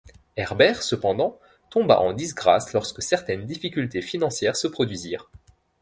Herbert, cependant, tomba en disgrâce lorsque certaines difficultés financières se produisirent.